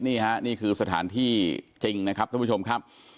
นี่ฮะนี่คือสถานที่จริงนะครับท่านผู้ชมครับ